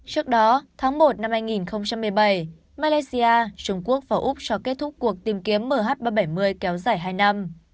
trước đó tháng một năm hai nghìn một mươi bảy malaysia trung quốc và úc cho kết thúc cuộc tìm kiếm mh ba trăm bảy mươi kéo dài hai năm